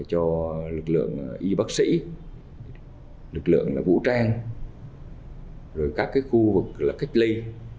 cho lực lượng y bác sĩ lực lượng vũ trang các khu vực cách ly